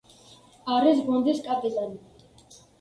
არის გუნდის კაპიტანი.